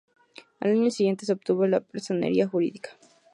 Al año siguiente se obtuvo la personería jurídica.